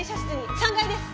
３階です！